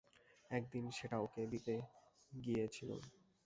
একদিন সেটা ওকে দিতে গিয়েছিলুম।